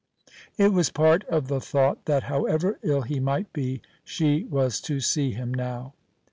It was part of the thought that, however ill he might be, she was to see him now.